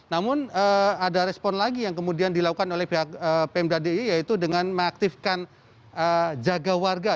namun ada respon lagi yang kemudian dilakukan oleh pihak pemdadi yaitu dengan mengaktifkan jaga warga